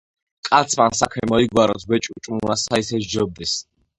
კაცმან საქმე მოიგვაროს ვეჭვ ჭმუნვასა ესე სჯობდეს.